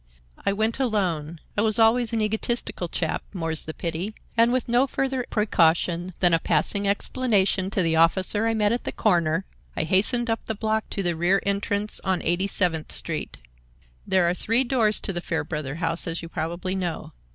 I went alone I was always an egotistical chap, more's the pity—and with no further precaution than a passing explanation to the officer I met at the corner, I hastened up the block to the rear entrance on Eighty seventh Street. There are three doors to the Fairbrother house, as you probably know.